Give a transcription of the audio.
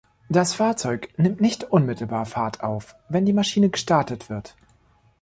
Das Fahrzeug nimmt nicht unmittelbar Fahrt auf, wenn die Maschine gestartet wird.